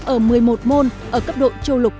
ở một mươi một môn ở cấp độ châu lục